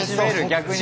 逆に。